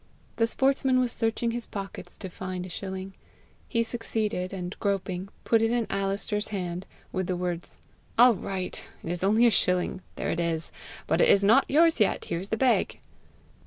The sportsman was searching his pockets to find a shilling. He succeeded, and, groping, put it in Alister's hand, with the words "All right! it is only a shilling! There it is! But it is not yours yet: here is the bag!"